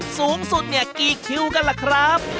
สูงสุดกี่คิวกันล่ะครับ